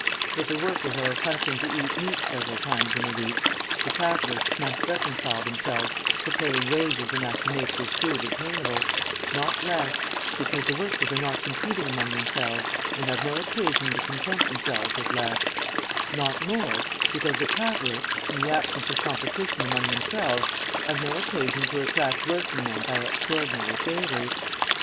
If the workers are accustomed to eat meat several times in the week, the capitalists must reconcile themselves to paying wages enough to make this food attainable, not less, because the workers are not competing among themselves and have no occasion to content themselves with less; not more, because the capitalists, in the absence of competition among themselves, have no occasion to attract working men by extraordinary favours.